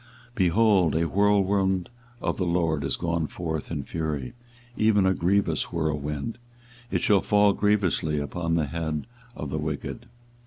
24:023:019 Behold, a whirlwind of the LORD is gone forth in fury, even a grievous whirlwind: it shall fall grievously upon the head of the wicked.